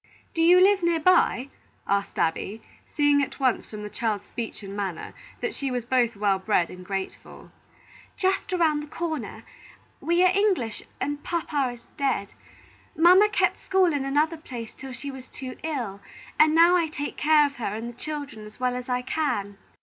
"Do you live near by?" asked Abby, seeing at once from the child's speech and manner that she was both well bred and grateful. "Just around the corner. We are English, and papa is dead. Mamma kept school in another place till she was too ill, and now I take care of her and the children as well as I can."